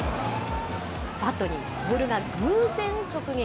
バットにボールが偶然直撃。